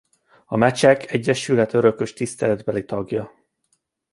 A Mecsek Egyesület örökös tiszteletbeli tagja.